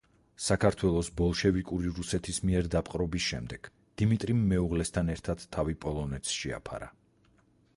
საქართველოს ბოლშევიკური რუსეთის მიერ დაპყრობის შემდეგ დიმიტრიმ მეუღლესთან ერთად თავი პოლონეთს შეაფარა.